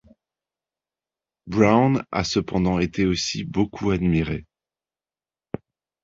Brown a cependant été aussi beaucoup admiré.